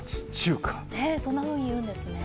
そんなふうにいうんですね。